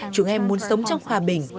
chúng em muốn sống trong hòa bình